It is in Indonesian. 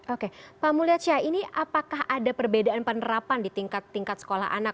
oke pak mulyasha ini apakah ada perbedaan penerapan di tingkat tingkat sekolah anak